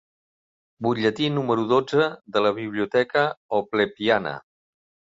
Butlletí número dotze de la «Biblioteca Oplepiana».